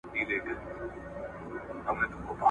زه پرون د ښوونځی لپاره تياری وکړ؟